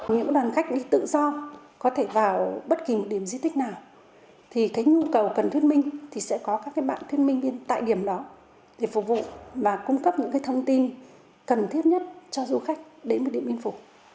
những đoàn khách đi tự do có thể vào bất kỳ một điểm di tích nào thì cái nhu cầu cần thuyết minh thì sẽ có các bạn thuyết minh viên tại điểm đó để phục vụ và cung cấp những thông tin cần thiết nhất cho du khách đến với điện biên phủ